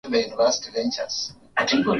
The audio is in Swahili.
Nchini Uganda, ambapo bei ya petroli imeongezeka